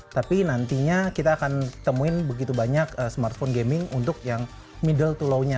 tapi nantinya kita akan temuin begitu banyak smartphone gaming untuk yang middle to law nya